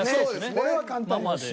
これは簡単よ。